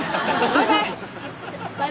バイバイ。